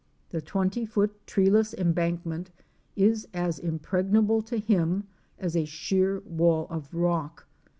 The twenty foot treeless embankment is as impregnable to him as a sheer wall of rock.